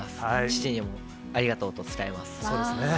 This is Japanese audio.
父にもありがとうと伝えます。